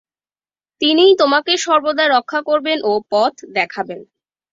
তিনিই তোমাকে সর্বদা রক্ষা করবেন ও পথ দেখাবেন।